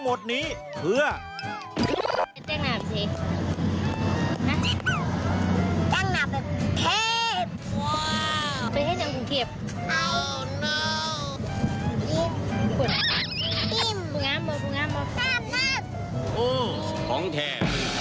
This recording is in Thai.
โอ๊ยของแทน